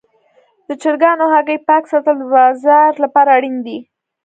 د چرګانو هګۍ پاک ساتل د بازار لپاره اړین دي.